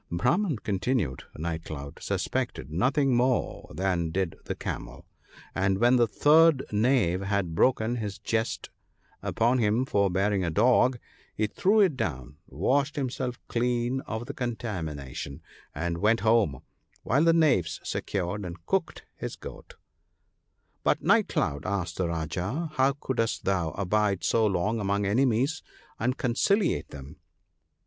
'The Brahman/ continued Night cloud, 'suspected nothing more than did the Camel ; and when the third knave had broken his jest upon him for bearing a dog, he threw it down, washed himself clean of the contami nation, and went home ; while the knaves secured and cooked his goat/ ' But, Night cloud,' asked the Rajah, ' how couldst thou abide so long among enemies, and conciliate them